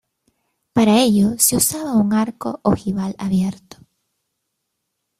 Para ello, se usaba un arco ojival abierto.